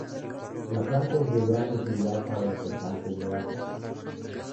La planta es de gran utilidad para los habitantes de África.